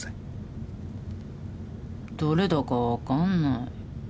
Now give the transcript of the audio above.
どれだか分かんない。